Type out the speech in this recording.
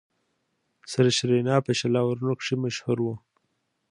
سریش رینا په شل آورونو کښي مشهور وو.